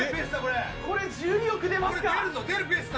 これ１２億、出ますか！